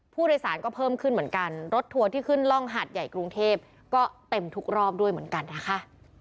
ผู้โดยสารก็เพิ่มขึ้นเหมือนกันรถทัวร์ที่ขึ้นร่องหาดใหญ่กรุงเทพก็เต็มทุกรอบด้วยเหมือนกันนะคะ